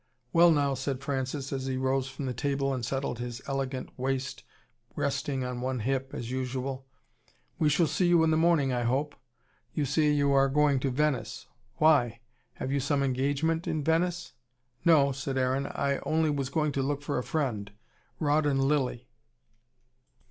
"Well, now," said Francis, as he rose from the table and settled his elegant waist, resting on one hip, as usual. "We shall see you in the morning, I hope. You say you are going to Venice. Why? Have you some engagement in Venice?" "No," said Aaron. "I only was going to look for a friend Rawdon Lilly."